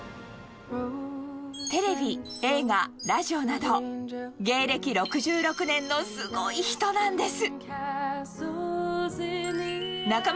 テレビ、映画、ラジオなど、芸歴６６年のすごい人なんです。